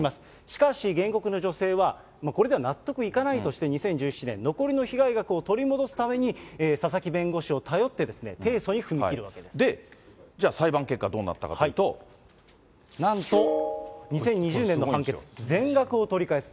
しかし、原告の女性は、これでは納得いかないとして、２０１７年、残りの被害額を取り戻すために佐々木弁護士を頼って、で、じゃあ、裁判結果、どうなんと、２０２０年の判決、全額を取り返す。